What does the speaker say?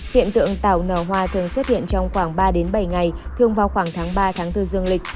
hiện tượng tảo nở hoa thường xuất hiện trong khoảng ba bảy ngày thường vào khoảng tháng ba tháng bốn dương lịch